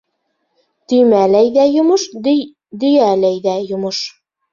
Төймәләй ҙә йомош, дөйәләй ҙә йомош.